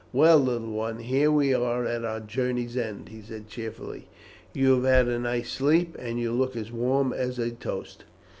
"Well, little one, here we are at our journey's end," he said cheerfully. "You have had a nice sleep, and you look as warm as a toast."